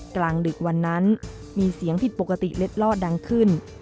กลางดึกวันนั้นมีเสียงผิดปกติเล็ดลอดดังขึ้น